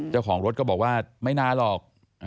เจ้าของรถก็บอกว่าไม่นานหรอก